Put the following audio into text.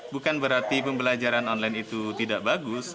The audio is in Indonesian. bukan berarti pembelajaran online itu tidak bagus